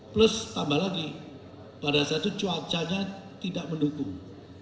plus tambah lagi pada saat itu cuacanya tidak mendukung